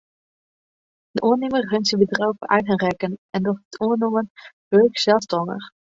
De oannimmer runt syn bedriuw foar eigen rekken en docht it oannommen wurk selsstannich.